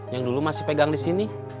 yang dulu masih pegang disini